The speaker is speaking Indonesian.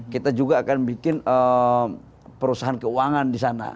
kita juga akan bikin perusahaan keuangan di sana